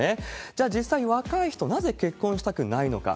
じゃあ、実際若い人、なぜ結婚したくないのか。